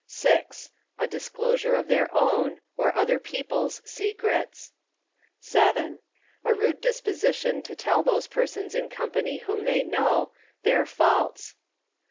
6. A disclosure of their own, or other people's secrets. 7. A rude disposition to tell those persons in company whom they know, their faults.